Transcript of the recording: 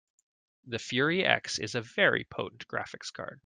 The Fury X is a very potent graphics card.